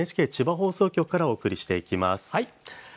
ＮＨＫ千葉放送局からお送りしています。